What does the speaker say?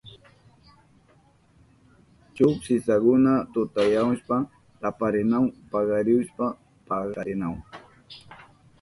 Shuk sisakuna tutayahushpan taparinahun pakarihushpan paskarinahun.